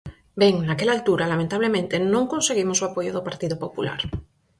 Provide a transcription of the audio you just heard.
Ben, naquela altura, lamentablemente, non conseguimos o apoio do Partido Popular.